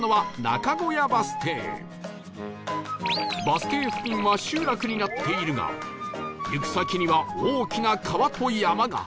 バス停付近は集落になっているが行き先には大きな川と山が